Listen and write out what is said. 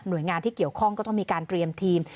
โดยงานที่เกี่ยวข้องก็ต้องมีการเตรียมทีม